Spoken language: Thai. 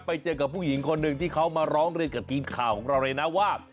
ไปเจอกับผู้หญิงคนหนึ่งที่เขามาร้องเรียนกับทีมข่าวของเราเลยนะว่า